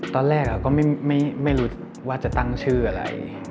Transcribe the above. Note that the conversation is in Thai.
ตอนแรกเราก็ไม่รู้ว่าจะตั้งชื่ออะไร